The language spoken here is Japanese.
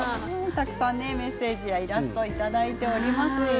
たくさんメッセージやイラスト、いただいております。